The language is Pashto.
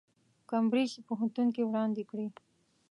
کمبریج پوهنتون کې وړاندې کړي.